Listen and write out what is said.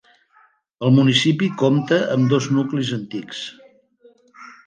El municipi compta amb dos nuclis antics: